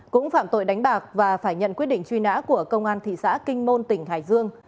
cũng phạm tội đánh bạc và phải nhận quyết định truy nã của công an thị xã kinh môn tỉnh hải dương